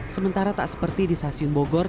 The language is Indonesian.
sementara tak seperti di stasiun bogor